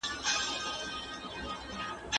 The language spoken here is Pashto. د نورو اديانو پيرووانو ته بايد درناوی وسي.